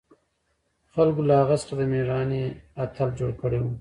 خلقو له هغه څخه د مېړانې اتل جوړ کړى و.